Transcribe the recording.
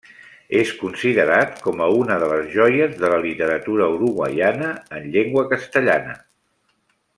És considerat com a una de les joies de la literatura uruguaiana en llengua castellana.